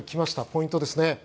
ポイントですね。